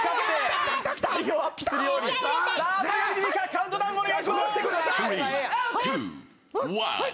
カウントダウンお願いします！